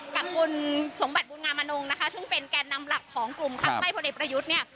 กับคุณสงบัติบุญงามนุงนะคะที่เป็นแก่นนำหลักของกลุ่มคาร์มไล่ประเด็นประยุทธ์เนี่ย